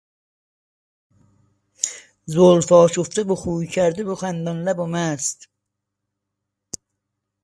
زلفآشفته و خویکرده و خندانلب و مست